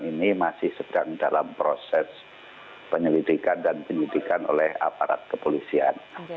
ini masih sedang dalam proses penyelidikan dan penyidikan oleh aparat kepolisian